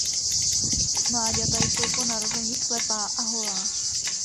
Mláďata jsou po narození slepá a holá.